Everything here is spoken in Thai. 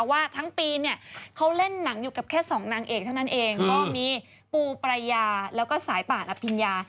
ว่าทั้งปีเนี่ยเขาเล่นหนังอยู่กับแค่สองนางเอกเท่านั้นเองก็มีปูปรายาแล้วก็สายป่านอภิญญา